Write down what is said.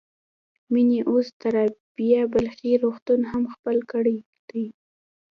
مينې اوس د رابعه بلخي روغتون هم خپل کړی دی.